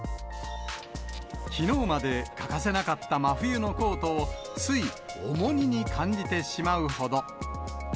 きのうまで欠かせなかった真冬のコートをつい、重荷に感じてしまうほど。